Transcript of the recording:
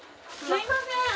すいません！